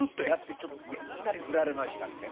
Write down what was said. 「ちょっといやいきなり振られましたんでね